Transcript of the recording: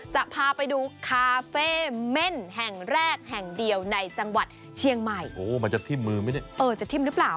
จังหวัดเชียงใหม่โอ้โหมันจะทิ้มมือไหมเนี้ยเออจะทิ้มหรือเปล่า